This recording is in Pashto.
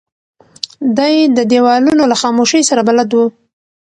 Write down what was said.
دی د دیوالونو له خاموشۍ سره بلد و.